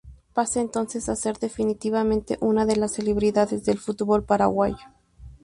Pasa entonces a ser, definitivamente, una de las celebridades del fútbol paraguayo.